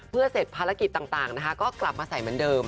เพื่อเสร็จภารกิจต่างก็กลับมาใส่เหมือนเดิม